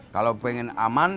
kalau pengen aman